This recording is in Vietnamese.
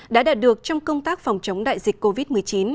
đã đạt được trong công tác phòng chống đại dịch covid một mươi chín